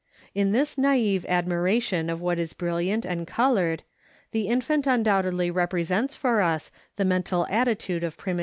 In this naïve admiration of what is brilliant and colored, the infant undoubtedly represents for us the mental attitude of primitive man.